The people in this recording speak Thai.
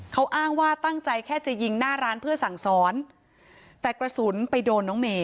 เขาอ้างว่าตั้งใจแค่จะยิงหน้าร้านเพื่อสั่งสอนแต่กระสุนไปโดนน้องเมย